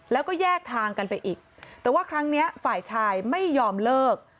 แล้วก็แยกทางกันไปอีกแต่ว่าครั้งนี้ฝ่ายชายไม่ยอมเลิก